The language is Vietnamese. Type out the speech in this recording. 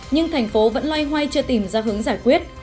nhưng thành phố vẫn loay hoay chưa tìm ra hướng giải quyết